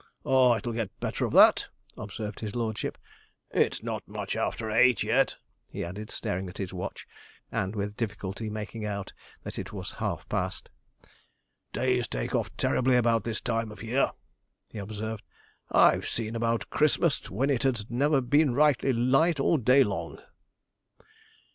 'Ah, it'll get better of that,' observed his lordship. 'It's not much after eight yet,' he added, staring at his watch, and with difficulty making out that it was half past. 'Days take off terribly about this time of year,' he observed; 'I've seen about Christmas when it has never been rightly light all day long.'